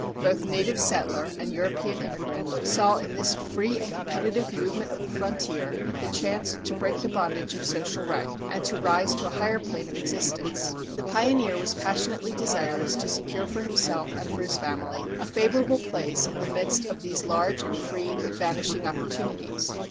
Both native settler and European immigrant saw in this free and competitive movement of the frontier the chance to break the bondage of social rank, and to rise to a higher plane of existence. The pioneer was passionately desirous to secure for himself and for his family a favorable place in the midst of these large and free but vanishing opportunities.